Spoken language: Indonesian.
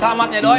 selamat ya doi